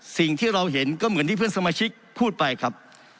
สิ่งที่เราเห็นก็เหมือนที่เพื่อนสมาชิกพูดไปครับ